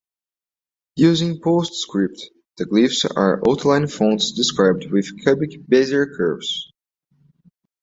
Using PostScript, the glyphs are outline fonts described with cubic Bezier curves.